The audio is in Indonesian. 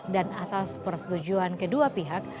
dan atas persetujuan kedua pihak